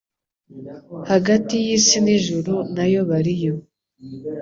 Hagati y'isi n'ijuru nayo bariyo